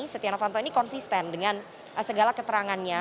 setia novanto ini konsisten dengan segala keterangannya